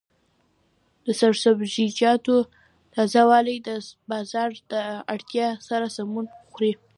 د سبزیجاتو تازه والي د بازار د اړتیا سره سمون خوري.